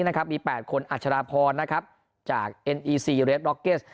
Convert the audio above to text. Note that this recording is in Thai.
มี๘คนอัชราพรนะครับจากเอ็นอีซีเรสบ็อกเก็ส